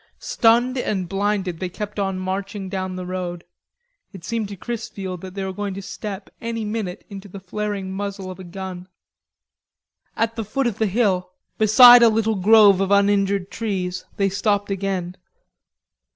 Stunned and blinded, they kept on marching down the road. It seemed to Chrisfield that they were going to step any minute into the flaring muzzle of a gun. At the foot of the hill, beside a little grove of uninjured trees, they stopped again.